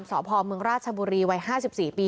สพเมืองราชบุรีวัย๕๔ปี